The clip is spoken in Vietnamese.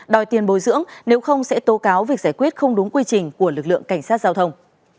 đòi tiền bồi dưỡng nếu không sẽ tố cáo việc giải quyết không đúng quy trình của lực lượng cảnh sát giao thông